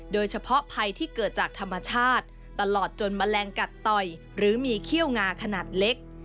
โดยเฉพาะภัยที่เกิดจากธรรมชาติตลอดจนแมลงกัดต่อยหรือมีเขี้ยวงาขนาดเล็ก